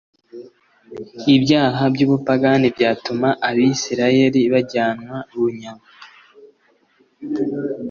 ibyaha byubupagani byatuma abisirayeli bajyanwa bunyago.